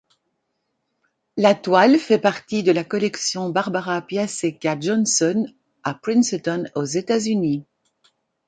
La toile fait partie de la collection Barbara Piasecka Johnson à Princeton aux États-Unis.